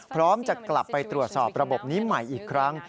พร้อมจะกลับไปตรวจสอบระบบนี้ใหม่อีกครั้ง